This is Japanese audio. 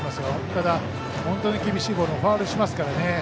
ただ、本当に厳しいボールもファウルしますからね。